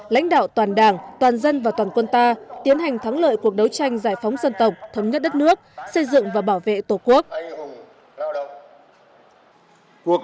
lãnh đạo toàn đảng toàn dân và toàn quân ta tiến hành thắng lợi cuộc đấu tranh giải phóng dân tộc thống nhất đất nước xây dựng và bảo vệ tổ quốc